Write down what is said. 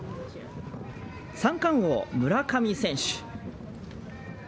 三冠王、村上選手。